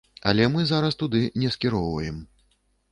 Але мы зараз туды не скіроўваем.